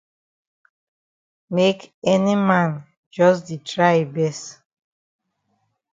Make any man jus di try yi best.